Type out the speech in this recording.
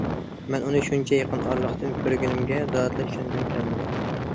مەن ئۇنى شۇنچە يېقىن ئارىلىقتىن كۆرگىنىمگە زادىلا ئىشەنگۈم كەلمىدى.